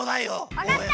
わかった！